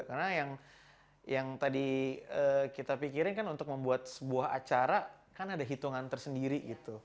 karena yang tadi kita pikirkan untuk membuat sebuah acara kan ada hitungan tersendiri